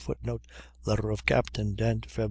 [Footnote: Letter of Captain Dent, Feb.